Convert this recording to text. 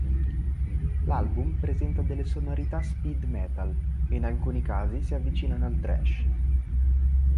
L'album presenta delle sonorità speed metal e in alcuni casi si avvicinano al thrash.